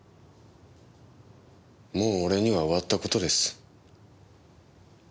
もう俺には終わった事です。